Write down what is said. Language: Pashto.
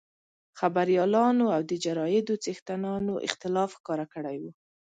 خبریالانو او د جرایدو څښتنانو اختلاف ښکاره کړی وو.